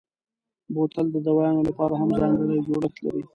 بوتل د دوایانو لپاره هم ځانګړی جوړښت لري.